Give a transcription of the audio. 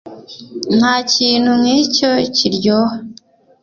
ntakintu nkicyo kiryoha